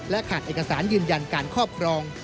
ขาดเอกสารยืนยันการครอบครอง